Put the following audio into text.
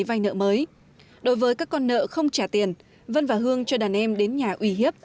vay nợ mới đối với các con nợ không trả tiền vân và hương cho đàn em đến nhà uy hiếp